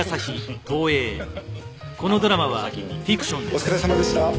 お疲れさまでしたー。